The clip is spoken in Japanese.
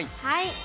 はい。